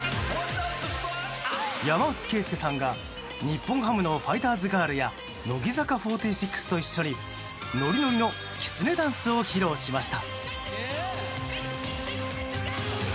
山内惠介さんが日本ハムのファイターズガールや乃木坂４６と一緒にノリノリのきつねダンスを披露しました。